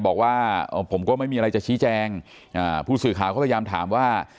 บอกว่าผมก็ไม่มีอะไรจะชี้แจงผู้สื่อข่าวก็พยายามถามว่า